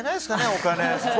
お金。